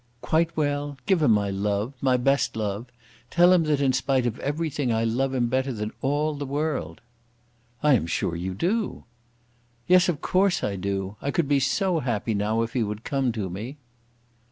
"Quite well? Give him my love, my best love. Tell him that in spite of everything I love him better than all the world." "I am sure you do." "Yes; of course I do. I could be so happy now if he would come to me."